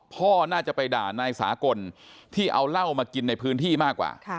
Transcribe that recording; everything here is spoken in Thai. พ่อน่าจะไปด่านายสากลที่เอาเหล้ามากินในพื้นที่มากกว่า